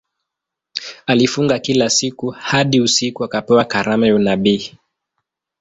Alifunga kila siku hadi usiku akapewa karama ya unabii.